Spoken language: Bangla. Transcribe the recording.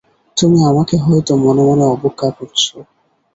তুমি আমাকে হয়তো মনে মনে অবজ্ঞা করছ।